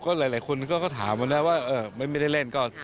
ก็หลายคนก็ถามว่าไม่ได้เล่น